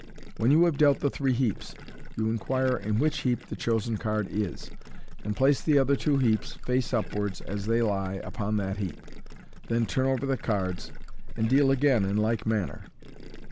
When you have dealt the three heaps, you inquire in which heap the chosen card is, and place the other two heaps, face upwards as they lie, upon that heap, then turn over the cards, and deal again in like manner.